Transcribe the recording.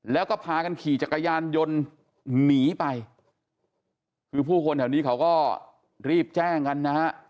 แล้วก็พากันขี่จักรยานยนต์หนีไปคือผู้คนแถวนี้เขาก็รีบแจ้งกันนะฮะ